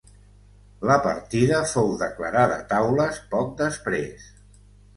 La partida fou declarada taules poc després.